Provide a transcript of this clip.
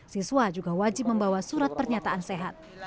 siswa juga wajib membawa surat pernyataan sehat